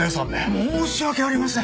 申し訳ありません。